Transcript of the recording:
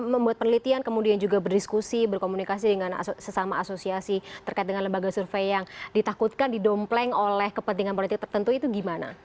membuat penelitian kemudian juga berdiskusi berkomunikasi dengan sesama asosiasi terkait dengan lembaga survei yang ditakutkan didompleng oleh kepentingan politik tertentu itu gimana